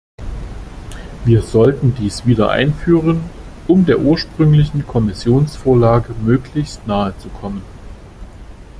Wir sollten dies wieder einführen, um der ursprünglichen Kommissionsvorlage möglichst nahe zu kommen.